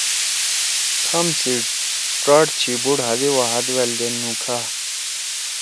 کھام سی ڇاڑ چھی بوڑ ہادے وا ہاتھ وألدے نُوکھا